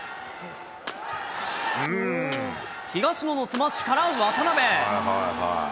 東野のスマッシュから渡辺。